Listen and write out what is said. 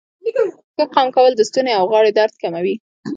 ښه قام کول د ستونې او غاړې درد کموي.